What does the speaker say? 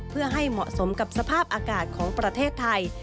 เพื่อให้เหมาะสมกับสภาพอากาศของประเทศไทย